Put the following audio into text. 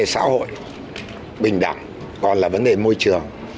vấn đề xã hội bình đẳng còn là vấn đề môi trường